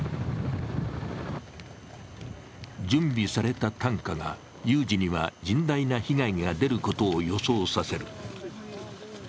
準備された担架が有事には、甚大な被害を出ることを予想させる。